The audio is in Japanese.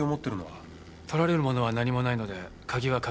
盗られるものは何もないので鍵はかけていませんでした。